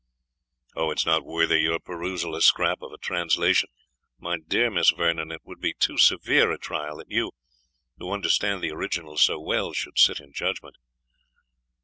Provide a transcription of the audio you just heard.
"It is not worthy your perusal a scrap of a translation My dear Miss Vernon, it would be too severe a trial, that you, who understand the original so well, should sit in judgment."